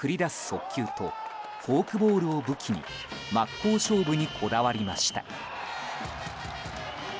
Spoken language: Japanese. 速球とフォークボールを武器に真っ向勝負にこだわりました。